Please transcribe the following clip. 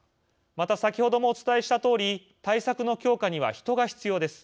また、先ほどもお伝えしたとおり対策の強化には人が必要です。